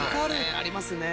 ありますね。